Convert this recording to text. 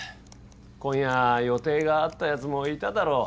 今夜予定があったやつもいただろう。